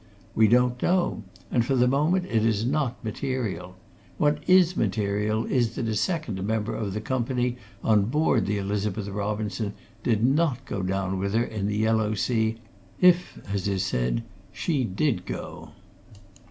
We don't know and for the moment it is not material; what is material is that a second member of the company on board the Elizabeth Robinson did not go down with her in the Yellow Sea if, as is said, she did go.